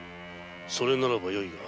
それならばよいが。